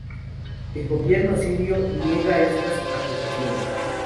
El gobierno sirio niega estas acusaciones.